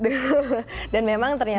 dan memang ternyata